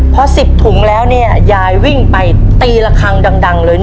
พอสิบถุงแล้วเนี้ยยายวิ่งไปตีระคังดังดังเลย